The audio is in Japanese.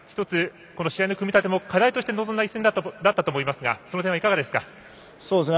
試合の組み立ても課題として臨んだ試合だと思いますがその点はいかがですか？